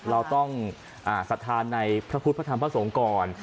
เราต้องสัทธาในพระพุทธพระธรรมพระสงฆ์ก่อน